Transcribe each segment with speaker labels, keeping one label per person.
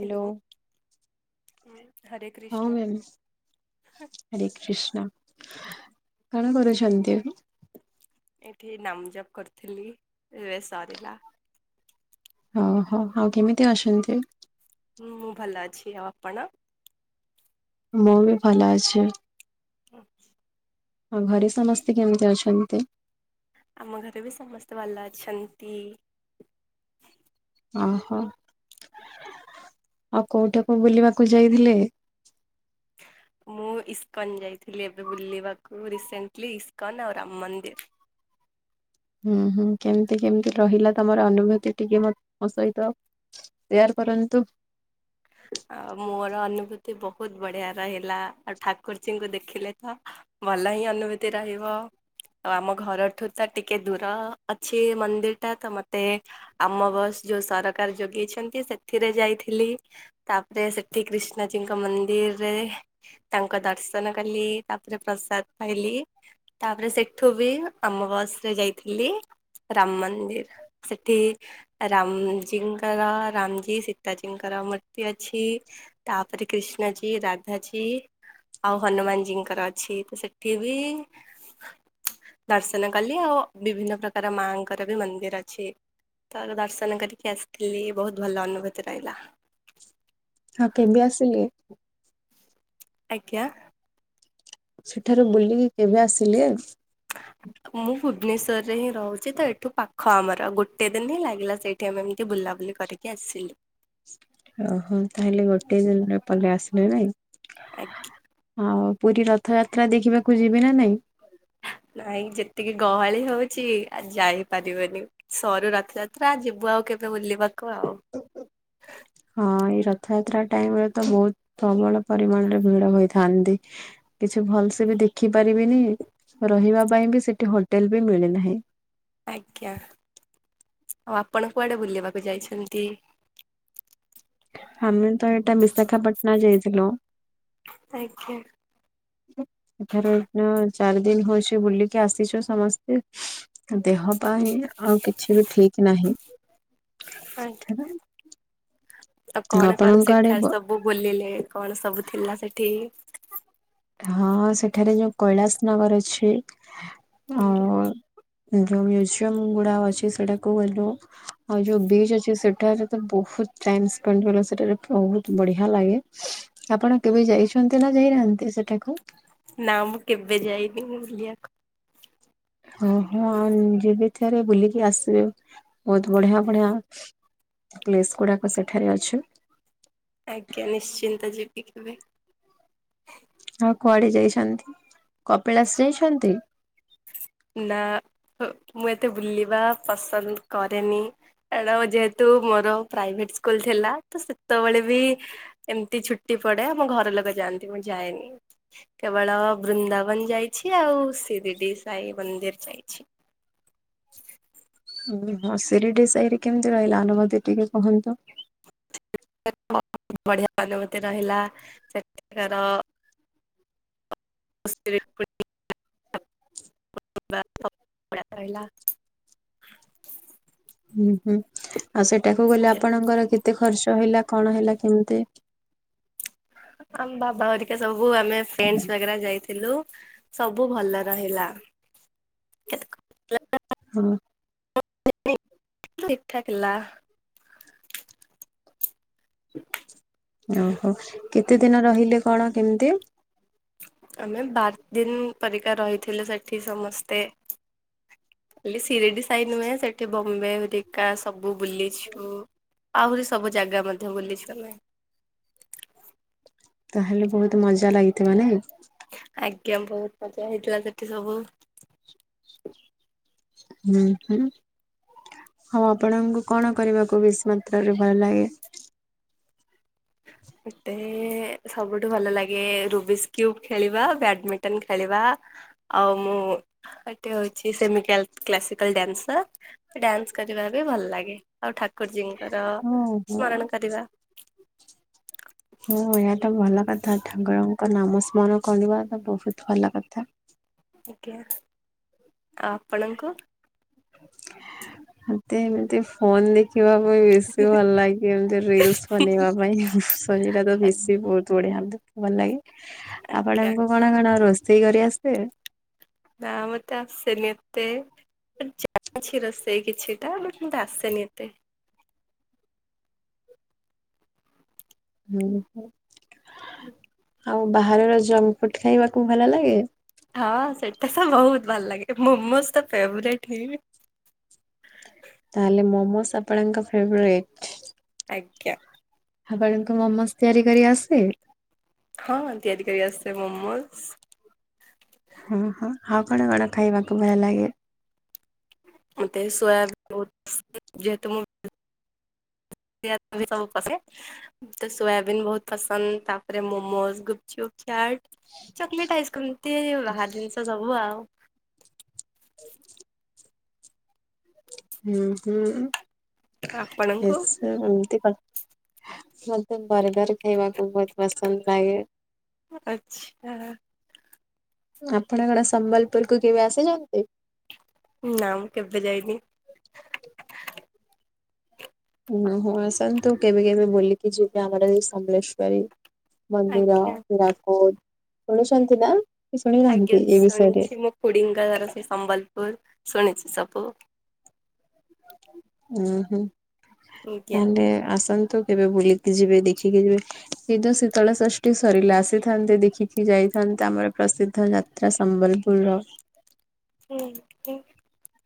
Speaker 1: Hello [inaudible]
Speaker 2: ହଁ,
Speaker 1: Krishna
Speaker 2: ma'am. Hare Krishna କଣ କରୁଛନ୍ତି?
Speaker 1: ଏଇଠି ନାମ ଜପ କରିଥିଲି ଏବେ ସରିଲା।
Speaker 2: ଓହୋ, ଆଉ। କେମିତି ଅଛନ୍ତି?
Speaker 1: ହୁଁ, ମୁଁ ଭଲ ଅଛି। ଆଉ ଆପଣ?
Speaker 2: ମୁଁ, ବି ଭଲ ଅଛି।
Speaker 1: ହୁଁ
Speaker 2: ଆଉ ଘରେ ସମସ୍ତେ କେମିତି ଅଛନ୍ତି?
Speaker 1: ଆମ ଘରେ ବି ସମସ୍ତେ ଭଲ ଅଛନ୍ତି।
Speaker 2: ଓହୋ, ଆଉ କୋଉଠାକୁ ବୁଲିବାକୁ ଯାଇଥିଲେ?
Speaker 1: ମୁଁ, ଇସ୍କନ ଯାଇଥିଲି ଏବେ ବୁଲିବାକୁ ରିସେଣ୍ଟଲି ଇସ୍କନ ଆଉ ରାମ ମନ୍ଦିର।
Speaker 2: ହୁଁ ହୁଁ କେମିତି କେମିତି ରହିଲା ତମର ଅନୁଭୂତି ଟିକେ ମୋ ସହିତ ସେୟାର କରନ୍ତୁ।
Speaker 1: ଆ ମୋର ଅନୁଭୂତି ବହୁତ ବଢିଆ ରହିଲା। ଆଉ ଠାକୁରଜୀଙ୍କୁ ଦେଖିଲେ ତ ଭଲ ହିଁ ଅନୁଭୂତି ରହିବ ଆଉ ଆମ ଘରଠୁ ତ ଟିକେ ଦୂର ଅଛି ମନ୍ଦିର ଟା ତ ମତେ ଆମ ବସ ଯୋଉ ସରକାର ଯୋଗେଇଛନ୍ତି, ସେଥିରେ ଯାଇଥିଲି। ତାପରେ ସେଠି କ୍ରିଷ୍ଣାଜୀଙ୍କ ମନ୍ଦିରରେ ତାଙ୍କ ଦର୍ଶନ କଲି ତାପରେ ପ୍ରସାଦ ପାଇଲି ତାପରେ ସେଠୁ ବି ଆମ ବସରେ ଯାଇଥିଲି। ରାମ ମନ୍ଦିର୍ ସେଠି ରାମଜୀଙ୍କର ରାମଜୀ ସୀତାଜୀଙ୍କର ମୂର୍ତ୍ତି ଅଛି। ତାପରେ କୃଷ୍ଣଜୀ ରାଧାଜୀ ଆଉ ହନୁମାନଜୀଙ୍କର ଅଛି। ତ ସେଠି ବି ଦର୍ଶନ କଲି, ଆଉ ବିଭିନ୍ନ ପ୍ରକାର ମାଆଙ୍କର ବି ମନ୍ଦିର ଅଛି। ତାର ଦର୍ଶନ କରିକି ଆସିଥିଲି, ବହୁତ ଭଲ ଅନୁଭୂତି ରହିଲା।
Speaker 2: ହଁ କେବେ ଆସିଲେ?
Speaker 1: ଆଜ୍ଞା।
Speaker 2: ସେଠାରୁ ବୁଲିକି କେବେ ଆସିଲେ?
Speaker 1: ମୁଁ ଭୁବନେଶ୍ୱରରେ ହିଁ ରହୁଛି ତ, ଏଠୁ ପାଖ ଆମର। ଗୋଟେ ଦିନ ହିଁ ଲାଗିଲା ସେଇଠି ଆମେ ଏମିତି ବୁଲାବୁଲି କରି କି ଆସିଲୁ।
Speaker 2: ଓହୋ। ତାହେଲେ ଗୋଟେ ଦିନରେ ପରେ ଆସିଲେ ନାଇଁ?
Speaker 1: ଆଜ୍ଞା।
Speaker 2: ହଉ ପୁରୀ ରଥଯାତ୍ରା ଦେଖିବାକୁ ଯିବି ନା ନାଇଁ?
Speaker 1: ନାଇଁ, ଯେତିକି ଗହଳି ହଉଛି ଆ ଯାଇପାରିବାନି। ସରୁ ରଥଯାତ୍ରା ଯିବୁ ଆଉ କେବେ ବୁଲିବାକୁ ଆଉ।
Speaker 2: ହଁ, ଏଇ ରଥଯାତ୍ରା ଟାଇମ ରେ ତ ବହୁତ ପ୍ରବଳ ପରିମାଣରେ ଭିଡ ହୋଇଥାନ୍ତି। କିଛି ଭଲ ସେ ବି ଦେଖି ପାରିବିନି ରହିବା ପାଇଁ ବି ସେଠି ହୋଟେଲ ବି ମିଳି ନାହିଁ।
Speaker 1: ଆଜ୍ଞା, ଆଉ ଆପଣ କୁଆଡେ ବୁଲିବାକୁ ଯାଇଛନ୍ତି?
Speaker 2: ଆମେ ତ ଏଇଟା ବିଶାଖାପାଟଣା ଯାଇଥିଲୁ।
Speaker 1: ଆଜ୍ଞା।
Speaker 2: ଏଥର ଏଇଦିନ ଚାରି ଦିନ ହୋଇଛି ବୁଲିକି ଆସିଛୁ ସମସ୍ତେ। ଦେହପା ହେଇ ଆଉ କିଛି ବି ଠିକ ନାହିଁ।
Speaker 1: ତ କଣ କଣ
Speaker 2: ଆପଣଙ୍କ ଆଡେ
Speaker 1: ସେଠାରେ ସବୁ ବୁଲିଲେ କଣ ସବୁ ଥିଲା ସେଠି।
Speaker 2: ହଁ ସେଠାରେ ଯୋଉ କୈଳାସ ନଗର ଅଛି। ଆଉ ଯୋଉ ମ୍ୟୁଜିୟମ ଗୁଡା ଅଛି ସେଟାକୁ ଗଲୁ। ଆଉ ଯୋଉ ବିଚ୍ ଅଛି, ସେଠାରେ ତ ବହୁତ ଟାଇମ୍ ସ୍ପେଣ୍ଡ କଲୁ ସେଟାରେ ବହୁତ ବଢିଆ ଲାଗେ। ଆପଣ କେବେ ଯାଇଛନ୍ତି ନା ଯାଇନାହାନ୍ତି ସେଠାକୁ?
Speaker 1: ନା ମୁଁ କେବେ ଯାଇନି ବୁଲିବାକୁ।
Speaker 2: ଓହୋ ଆ ଯିବି ଥରେ ବୁଲିକି ଆସିବେ। ବହୁତ ବଢିଆ ବଢିଆ ପ୍ଲେସ୍ ଗୁଡାକ ସେଠାରେ ଅଛି।
Speaker 1: ଆଜ୍ଞା, ନିଶ୍ଚିନ୍ତ ଯିବି କେବେ।
Speaker 2: ଆଉ କୁଆଡେ ଯାଇଛନ୍ତି କପିଳାସ ଯାଇଛନ୍ତି?
Speaker 1: ନା ମୁଁ ଏତେ ବୁଲିବା ପସନ୍ଦ କରେନି। ମ୍ୟାଡମ ଯେହେତୁ ମୋର ପ୍ରାଇଭେଟ ସ୍କୁଲ ଥିଲା, ତ ସେତବେଳେ ବି ଏମିତି ଛୁଟି ପଡେ, ଆମ ଘର ଲୋକ ଯାଆନ୍ତି ମୁଁ ଯାଏନି। କେବଳ ବୃନ୍ଦାବନ ଯାଇଛି, ଆଉ ସିରିଡି ସାଇ ମନ୍ଦିର ଯାଇଛି।
Speaker 2: ଓହୋ ସରିଡି ସାଇରେ କେମିତି ରହିଲା ଅନୁଭୂତି ଟିକେ କୁହନ୍ତୁ।
Speaker 1: ସେଠି ବୋହୁତ ବଢିଆ ଅନୁଭୂତି ରହିଲା। ସେଠାକାର [inaudible] [inaudible]
Speaker 2: ହୁଁ ହୁଁ ଆଉ ସେଟାକୁ ଗଲେ ଆପଣଙ୍କର କେତେ ଖର୍ଚ୍ଚ ହେଲା, କଣ ହେଲା କେମିତି?
Speaker 1: ଆମ ବାବା ଘରିକା ସବୁ ଆମେ ଫ୍ରେଣ୍ଡ ବଗେରା ଯାଇଥି ଥିଲୁ, ସବୁ ଭଲ ରହିଲା। କେତ
Speaker 2: ହଁ
Speaker 1: ଠିକ ଠାକ୍ ଥିଲା।
Speaker 2: ଓହୋ କେତେ ଦିନ ରହିଲେ କଣ କେମିତି?
Speaker 1: ଆମେ ବାର ଦିନ ପରିକା ରହିଥିଲୁ ସେଠି ସମସ୍ତେ। ଲି ସିରିଡି ସାଇ ନୁହେଁ ସେଠି ବମ୍ବେ ହେରିକା ସବୁ ବୁଲିଛୁ ଆହୁରି ସବୁ ଜାଗା ମଧ୍ୟ ବୁଲିଛୁ ଆମେ।
Speaker 2: ତାହେଲେ ବହୁତ ମଜା ଲାଗିଥିବ ନାଇ?
Speaker 1: ଆଜ୍ଞା ବହୁତ ମଜା ହେଇଥିଲା ସେଠି ସବୁ
Speaker 2: ହୁଁ ହୁଁ। ହଁ ଆପଣଙ୍କୁ କଣ କରିବାକୁ ବେଶି ମାତ୍ରାରେ ଭଲ ଲାଗେ।
Speaker 1: ମୋତେ ସବୁଠୁ ଭଲ ଲାଗେ ରୁବିସ୍କ୍ୟୁବ ଖେଳିବା ବ୍ୟାଡମିଣ୍ଟନ ଖେଳିବା। ଆଉ ମୁଁ ଏଠି ହଉଚି ସେମିକାଲ କ୍ଲାସିକାଲ୍ ଡ୍ୟାନ୍ସର। ଡ୍ୟାନ୍ସ କରିବା ବି ଭଲ ଲାଗେ ଆଉ ଠାକୁରଜୀଙ୍କର
Speaker 2: ଓହୋ
Speaker 1: ସ୍ମରଣ କରିବା।
Speaker 2: ହଁ ଏହା ତ ଭଲ କଥା ଠାକୁରଙ୍କ ନାମ ସ୍ମରଣ କରିବା ତ ବହୁତ ଭଲ କଥା।
Speaker 1: ଆଜ୍ଞା ଆଉ ଆପଣଙ୍କୁ?
Speaker 2: ମତେ ଏମିତି ଫୋନ ଦେ ଦେଖିବା ପାଇଁ ବେଶୀ ଭଲ ଲାଗେ ଏମତି ରିଲସ ବନେଇବା ପାଇଁ ସରି ଏଟା ତ ବେଶୀ ବହୁତ ବଢିଆ ଭଲ ଲାଗେ
Speaker 1: ଆଜ୍ଞା
Speaker 2: ଆପଣଙ୍କୁ କଣ କଣ ରୋଷେଇ କରି ଆସେ?
Speaker 1: ନାଁ ମତେ ଆସେନି ଏତେ। ଜାଣିଛି ରୋଷେଇ କିଛିଟା ବଟ୍ ମୋତେ ଆସେନି ଏତେ।
Speaker 2: ହୁଁ [unintelligible]
Speaker 1: [unintelligible]
Speaker 2: ଆଉ ବାହାରର ଜଙ୍କ ଫୁଡ ଖାଇବାକୁ ଭଲ ଲାଗେ?
Speaker 1: ହଁ ସେଇଟା ତ ବହୁତ ଭଲ ଲାଗେ ମମୋସ୍ ତ ଫେବରେଟ୍ ହିଁ।
Speaker 2: ତାହେଲେ ମୋମୋସ୍ ଆପଣଙ୍କ ଫେବରାଇଟ୍?
Speaker 1: ଆଜ୍ଞା।
Speaker 2: ଆପଣଙ୍କୁ ମୋମୋଜ ତିଆରି କରି ଆସେ?
Speaker 1: ହଁ ତିଆରି କରିି ଆସେ ମୋମୋଜ
Speaker 2: ହଁ ହଁ ଆଉ କଣ କଣ ଖାଇବାକୁ ଭଲ ଲାଗେ?
Speaker 1: ମତେ ସୋୟବିନ ବହୁତ ପସନ୍ଦ ଯେହେତୁ ମୁଁ [unintelligible] ତ ସୋୟାବିନ୍ ବହୁତ ପସନ୍ଦ ତାପରେ ମୋମୋଜ ଗୁପଚୁପ ଚାଟ୍। ଚକଲେଟ୍ ଆଇସକ୍ରିମ୍ [unintelligible] ବାହାର ଜିନିଷ ସବୁ ଆଉ।
Speaker 2: ହୁଁ ହୁଁ।
Speaker 1: ଆପଣଙ୍କୁ?
Speaker 2: ଏମତି କ ମତେ ବର୍ଗର ଖାଇବାକୁ ବହୁତ ପସନ୍ଦ ଲାଗେ।
Speaker 1: ଆଚ୍ଛା।
Speaker 2: ଆପଣ କଣ ସମ୍ବଲପୁର କୁ କେବେ ଆସିଚନ୍ତି?
Speaker 1: ନା ମୁଁ କେବେ ଯାଇନି।
Speaker 2: ନା ହଁ ଆସନ୍ତୁ କେବେ କେବେ ବୁଲି କି ଯିବା ଆମର ସମ୍ବଲେଶ୍ଵରୀ ମନ୍ଦିର
Speaker 1: ଆଜ୍ଞା।
Speaker 2: ହୀରାକୁଦ ଶୁଣିଛନ୍ତି ନା କି
Speaker 1: ଆଜ୍ଞା
Speaker 2: ଶୁଣିନାହାନ୍ତି ଏ ବିଷୟରେ?
Speaker 1: ଶୁଣିଛି ମୋ ଖୁଡିଙ୍କ ଘର ସେ ସମ୍ବଲପୁର ଶୁଣିଚି ସବୁ।
Speaker 2: ଉଁ ହୁଁ
Speaker 1: ଆଜ୍ଞା।
Speaker 2: ତାହେଲେ ଆସନ୍ତୁ କେବେ ବୁଲିକି ଯିବେ ଦେଖିକି ଯିବେ। ଏଇତ ଶୀତଳ ଷଷ୍ଠୀ ସରିଲା ଆସିଥାନ୍ତେ ଦେଖିକି ଯାଇଥାନ୍ତେ ଆମର ପ୍ରସିଦ୍ଧ ଜା ତ୍ରା ସମ୍ବଲପୁର ର
Speaker 1: ହୁଁ ହୁଁ।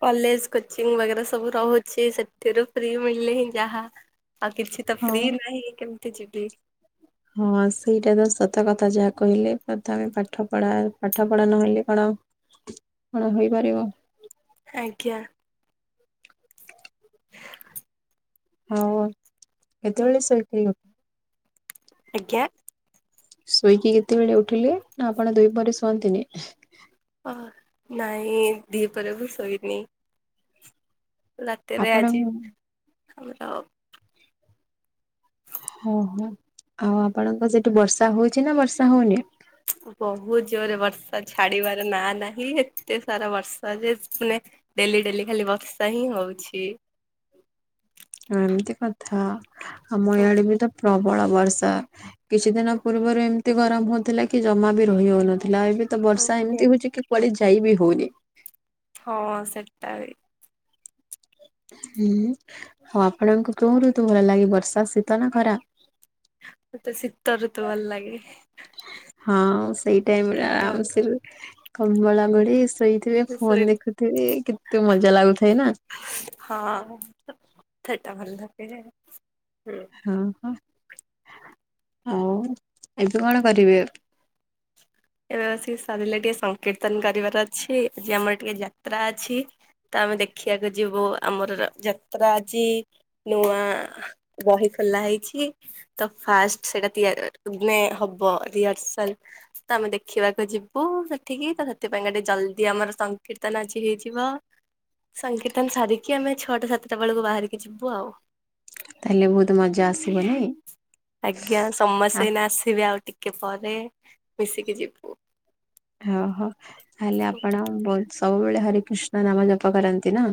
Speaker 1: କଲେଜ କୋଚିଂ ବାଗେରା ସବୁ ରହୁଚି ସେଥିରୁ ଫ୍ରି ମିଳିଲେ ହିଁ ଯାହା। ଆଉ କିଛି ତ
Speaker 2: ହଁ।
Speaker 1: ଫ୍ରି ନାହିଁ କେମତି ଯିବି।
Speaker 2: ହଁ ସେଇଟା ତ ସତ କଥା ଯାହା କହିଲେ ପ୍ରଥମେ ପାଠ ପଢା ପାଠ ପଢା ନହେଲେ କଣ କଣ ହେଇପାରିବ।
Speaker 1: ଆଜ୍ଞା।
Speaker 2: ହଁ କେତେବେଳେ ସେପ୍ଟି ନୁହୁ
Speaker 1: ଆଜ୍ଞା।
Speaker 2: ଶୋଇକି କେତେବେଳେ ଉଠିଲେ, ନା ଆପଣ ଦୁଇ ପହରେ ଶୁଅନ୍ତିନି?
Speaker 1: ଅ ନାଇଁ ଦି ପରେ ବି ଶୋଇନି। ରାତିରେ
Speaker 2: ଆପଣ
Speaker 1: ଆଜି
Speaker 2: ହଁ
Speaker 1: ଆମର
Speaker 2: ଓହୋ, ଆଉ ଆପଣଙ୍କ ସେଠି ବର୍ଷା ହଉଛି ନା ବର୍ଷା ହଉନି?
Speaker 1: ବହୁତ ଜୋରେ ବର୍ଷା ଛାଡିବାର ନା ନାହିଁ, ଏତେ ସାରା ବର୍ଷା ଯେ ମାନେ ଡେଲି ଡେଲି ଖାଲି ବର୍ଷା ହିଁ ହଉଛି।
Speaker 2: ଏମିତି କଥା, ଆମ ଏଇଆଡେ ବି ତ ପ୍ରବଳ ବର୍ଷା କିଛି ଦିନ ପୂର୍ବରୁ ଏମିତି ଗରମ ହଉଥିଲା କି ଜମା ବି ରହିହଉନଥିଲା, ଏବେ ତ ବର୍ଷା
Speaker 1: ଆଜ୍ଞା
Speaker 2: ଏମିତି ହଉଛି କି କୁଆଡେ ଯାଇ ବିି ହଉନି।
Speaker 1: ହଁ ସେଟା ବି
Speaker 2: ହୁଁ ହଉ ଆପଣଙ୍କୁ କେଉଁ ଋତୁ ଭଲ ଲାଗେ- ବର୍ଷା, ଶୀତ ନା ଖରା।
Speaker 1: ମତେ ଶୀତଋତୁ ଭଲଲାଗେ।
Speaker 2: ହଁ ସେଇ ଟାଇମରେ ଆରାମସେ କମଳା ଗଡି ଶୋଇ ଏଥିରେ ଫୋନ ଦେଖୁଥିବି କେତେ ମଜା ଲାଗୁଥାଏ ନା।
Speaker 1: ହଁ ସେଟା ଭଲ ଲାଗେ, ଉଁ
Speaker 2: ହଁ ହଁ, ଆଉ ଏବେ କଣ କରିବେ?
Speaker 1: ଏବେ ବସି ସରିଲେ ଟିକେ ସଂକୀର୍ତ୍ତନ କରିବାର ଅଛି, ଆଜି ଆମର ଟିକେ ଯାତ୍ରା ଅଛି। ତ ଆମେ ଦେଖିବାକୁ ଯିବୁ ଆମର ଯାତ୍ରା ଆଜି ନୂଆ ବହି ଖୋଲା ହେଇଛି। ତ ଫାଷ୍ଟ ସେଇଟା ତିଆ ମାନେ ହବ ରିହର୍ସଲ ତ ଆମେ ଦେଖିବାକୁ ଯିବୁ ସେଠିକି ତ, ସେଥିପାଇଁ ଟିକେ ଜଲଦି ଆମର ସଂକୀର୍ତନ ଆଜି ହେଇଯିବ। ସଂକୀର୍ତ୍ତନ ସାରିକି ଆମେ ଛଅଟା ସାତଟା ବେଳକୁ ବାହାରିକି ଯିବୁ ଆଉ
Speaker 2: ତାହେଲେ ବହୁତ ମଜା ଆସିବ ନାଇଁ?
Speaker 1: ଆଜ୍ଞା ସମସ୍ତେ ଏଇନା ଆସିବେ ଆଉ ଟିକେ ପରେ ମିଶିକି ଯିବୁ।
Speaker 2: ଓହୋ, ତାହେଲେ ଆପଣ ସବୁବେଳେ ହରେ କୃଷ୍ଣ ନାମ ଜପ କରନ୍ତି ନା?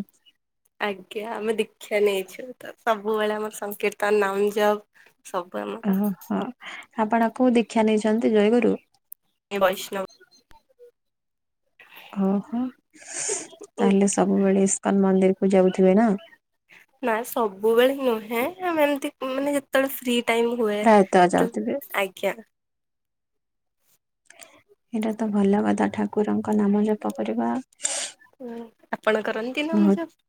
Speaker 1: ଆଜ୍ଞା, ଆମେ ଦୀକ୍ଷା ନେଇଛୁ ତ ସବୁବେଳେ ଆମ ସଂକୀର୍ତ୍ତନ ନାମ ଜପ ସବୁ ଆମ
Speaker 2: ଓହୋ, ଆପଣ ଆ କ ଦୀକ୍ଷା ନେଇଛନ୍ତି ଜୟଗରୁ
Speaker 1: ଏ ବୈଷ୍ଣବ
Speaker 2: ହଁ ହୋ ତାହେଲେ ସବୁବେଳେ ଇସ୍କନ ମନ୍ଦିର କୁ ଯାଉଥିବେ ନା
Speaker 1: ନାଁ ସବୁବେଳେ ନୁହେଁ, ଆମେ ଏମତି ମାନେ ଯେତେବେଳେ ଫ୍ରି ଟାଇମ ହୁଏ,
Speaker 2: ପ୍ରାୟତଃ
Speaker 1: ତ
Speaker 2: ଯାଉଥିବେ
Speaker 1: ଆଜ୍ଞା
Speaker 2: ଏଇଟା ତ ଭଲ କଥା ଠାକୁରଙ୍କ ନାମ ଜପ କରିବା।
Speaker 1: ଆପଣ କରନ୍ତି
Speaker 2: ବହୁତ
Speaker 1: ନାମଜପ?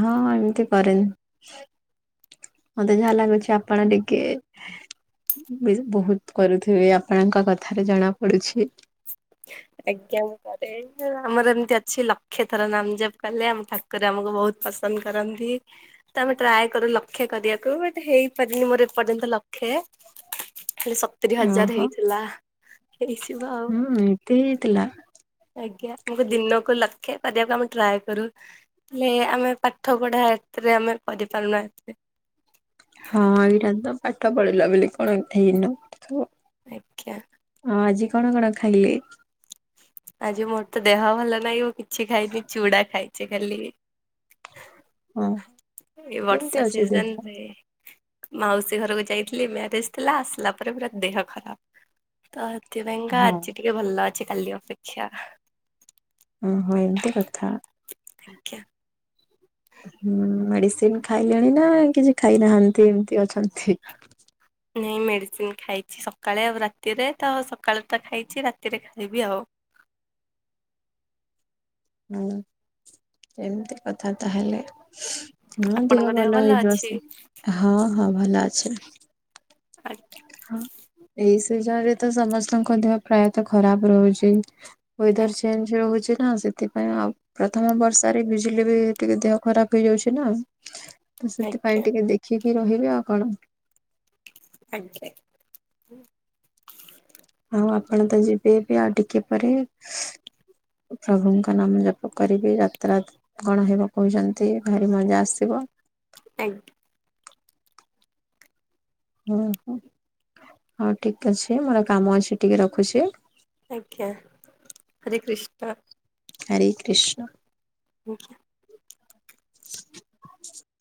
Speaker 2: ହଁ ଏମିତି କରେନି, ମତେ ଯାହା ଲାଗୁଛି ଆପଣ ଟିକେ ବହୁତ କରୁଥିବେ ଆପଣଙ୍କ କଥାରେ ଜଣା ପଡୁଛି। [inaudible]
Speaker 1: ଆଜ୍ଞା ମୁଁ କରେ, ଆମର ଏମତି ଅଛି ଲକ୍ଷେ ଥର ନାମ ଜପ କଲେ ଆମ ଠାକୁର ରେ ଆମକୁ ବହୁତ ପସନ୍ଦ କରନ୍ତି। ତ ଆମେ ଟ୍ରାଏ କରୁ ଲକ୍ଷେ କରିବାକୁ, ବଟ ହେଇପାରିନି ମୋର ଏପର୍ଯ୍ୟନ୍ତ ଲକ୍ଷେ ହେଲେ ସତୁୁରୀ ହଜାର
Speaker 2: ଓହୋ
Speaker 1: ହେଇଥିଲା, ହେଇଯିବ ଆଉ
Speaker 2: ହୁଁ ଏତେ ହେଇଥିଲା।
Speaker 1: ଆଜ୍ଞା, ଆମକୁ ଦିନକୁ ଲକ୍ଷେ କରିବାକୁ ଆମେ ଟ୍ରାଏ କରୁ। ହେଲେ ଆମେ ପାଠ ପଢା ଏଥିରେ ଆମେ କରିପାରୁନା ଏଥିରେ
Speaker 2: ହଁ ଏଇଟା ତ ପାଠ ପଢିଲା ବୋଲି କଣ ହେଇନ ସବୁ
Speaker 1: ଆଜ୍ଞା।
Speaker 2: ହଁ ଆଜି କଣ କଣ ଖାଇଲେ?
Speaker 1: ଆଜି ମୋର ତ ଦେହ ଭଲ ନାହିଁ, ମୁଁ କିଛି ଖାଇନି ଚୁଡା ଖାଇଛି ଖାଲି
Speaker 2: ହଁ
Speaker 1: ଏ
Speaker 2: କେମିତି
Speaker 1: ବର୍ଷା
Speaker 2: ଅଛି ଦେହ?
Speaker 1: ସିଜନରେ ମାଉସୀ ଘରକୁ ଯାଇଥିଲି ମ୍ୟାରେଜ ଥିଲା, ଆସିଲା ପରେ ପୁରା ଦେହ ଖରାପ। ତ ହେଥି ପାଇଁକା
Speaker 2: ହଁ
Speaker 1: ଆଜି ଟିକେ ଭଲ ଅଛି କାଲି ଅପେକ୍ଷା।
Speaker 2: ଉଁ ହୁଁ ଏମିତି କଥା।
Speaker 1: ଦେଖିୟା।
Speaker 2: ହୁଁ ମେଡିସିନ ଖାଇଲେଣି ନା କିଛି ଖାଇନାହାନ୍ତି ଏମିତି ଅଛନ୍ତି।
Speaker 1: ନାହିଁ ମେଡ଼ିସିନ ଖାଇଛି ସକାଳେ ଆଉ ରାତିରେ ତ ସକାଳେ ତ ଖାଇଛି ରାତିରେ ଖାଇବି ଆଉ।
Speaker 2: ହୁଁ ଏମିତି କଥା ତାହେଲେ। ହଁ ଦେହ ଭଲ ହେଇଯିବ ସେ ହଁ ହଁ ଭଲ ଅଛେ।
Speaker 1: ଆଚ୍ଛା [unintelligible]
Speaker 2: ଏଇ ସିଜନ ରେ ତ ସମସ୍ତଙ୍କ ଦେହ ପ୍ରାୟତଃ ଖରାପ ରହୁଚି।
Speaker 1: ଆଜ୍ଞା।
Speaker 2: ୱେଦର ଚେଞ୍ଜ ହଉଛି ନା ସେ ସେଥିପାଇଁ ଆଉ ପ୍ରଥମ ବର୍ଷାରେ ଭିଜିଲେ ବି ଟିକେ ଦେହ ଖରାପ ହେଇଯାଉଛି ନା ତ
Speaker 1: ଆଜ୍ଞା
Speaker 2: ସେଥିପାଇଁ ଟିକେ ଦେଖିକି ରହିବେ ଆଉ କଣ
Speaker 1: ଆଗ୍ରେ- [unintelligible]
Speaker 2: ଆଉ ଆପଣ ତ ଯିବେ ବି ଆଉ ଟିକେ ପରେ। ପ୍ରଭୁଙ୍କ ନାମ ଜପ କରିବି ଯାତ୍ରାତ କଣ ହେବ କହୁଚନ୍ତି ଭାରି ମଜା ଆସିବ।
Speaker 1: ଥଙ୍କୁ [unintelligible]
Speaker 2: ଉଁ ହୁ ହଁ ଠିକ ଅଛି ମୋର କାମ ଅଛି ଟିକେ ରଖୁଛି।
Speaker 1: ଆଜ୍ଞା ହରେ କୃଷ୍ଣ
Speaker 2: ହରେ କୃଷ୍ଣ।
Speaker 1: ଆଜ୍ଞା।